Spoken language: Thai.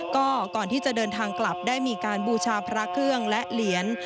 ก็ก่อนที่จะเดินทางกลับได้มีการบูชาพระเครื่องและเหรียญ